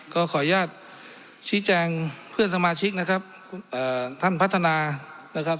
ก็ขออนุญาตชี้แจงเพื่อนสมาชิกนะครับเอ่อท่านพัฒนานะครับ